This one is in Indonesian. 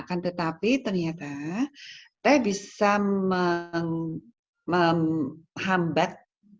kan tetapi ternyata teh bisa menghambat